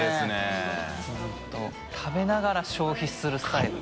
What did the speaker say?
食べながら消費するスタイル。